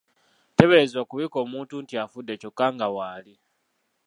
Teebereza okubika omuntu nti afudde kyokka nga w'ali!